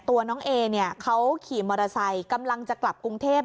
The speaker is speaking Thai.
ตัวน้องเอเนี่ยเขาขี่มอเตอร์ไซค์กำลังจะกลับกรุงเทพ